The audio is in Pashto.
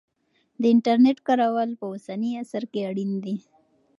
د انټرنیټ کارول په اوسني عصر کې اړین دی.